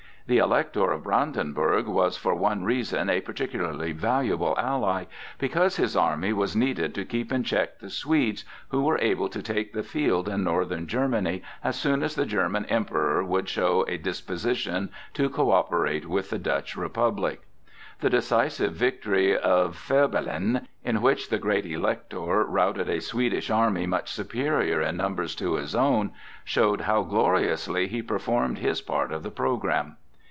The Elector of Brandenburg was for one reason a particularly valuable ally, because his army was needed to keep in check the Swedes, who were to take the field in northern Germany as soon as the German Emperor would show a disposition to coöperate with the Dutch Republic. The decisive victory of Fehrbellin, in which the great Elector routed a Swedish army much superior in numbers to his own, showed how gloriously he performed his part of the programme.